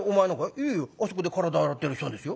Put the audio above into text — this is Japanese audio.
「いやいやあそこで体洗ってる人のですよ」。